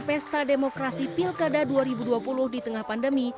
pesta demokrasi pilkada dua ribu dua puluh di tengah pandemi